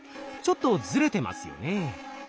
ちょっとずれてますよね。